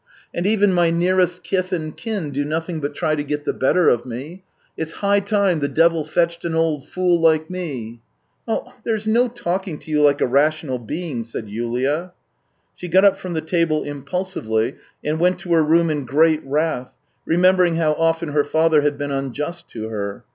And even my nearest kith and kin do nothing but try to get the better of me. It's high time the devil fetched an old fool like me. ..."" There's no talking to you like a rational being !" said Yulia. She got up from the table impulsively, and went to her room in great wrath, remembering how often her father had been unjust to her.